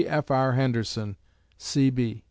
G. F. R. HENDERSON, C.